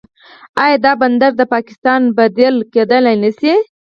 آیا دا بندر د پاکستان بدیل کیدی نشي؟